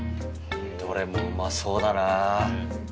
どれもうまそうだな。